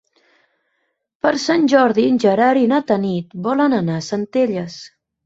Per Sant Jordi en Gerard i na Tanit volen anar a Centelles.